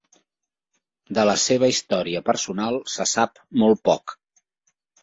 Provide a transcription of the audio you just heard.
De la seva història personal se sap molt poc.